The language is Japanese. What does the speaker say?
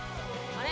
あれ？